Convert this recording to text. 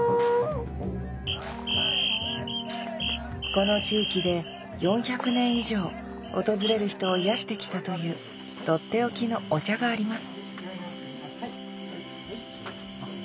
この地域で４００年以上訪れる人を癒やしてきたというとっておきのお茶があります